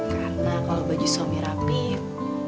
karena kalau baju suami rapih